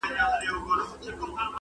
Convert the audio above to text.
هر څه د راپور په شکل نړۍ ته وړاندي کيږي,